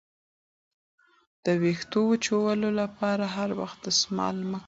د ویښتو وچولو لپاره هر وخت دستمال مه کاروئ.